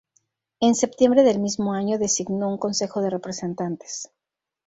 En septiembre del mismo año designó un consejo de representantes.